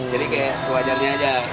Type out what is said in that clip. jadi kayak sewajarnya aja